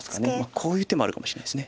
こういう手もあるかもしれないです。